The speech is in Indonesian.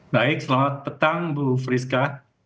baik selamat petang bu friska